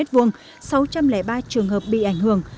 sáu trăm linh ba trường hợp bị ảnh hưởng